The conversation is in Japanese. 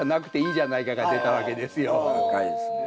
赤いですね。